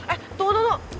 eh tunggu tunggu